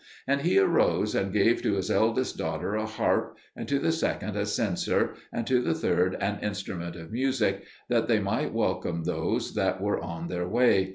And he arose, and gave to his eldest daughter a harp, and to the second a censer, and to the third an instrument of music, that they might welcome those that were on their way.